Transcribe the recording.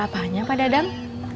berubah apanya pak dadang